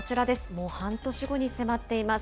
もう半年後に迫っています。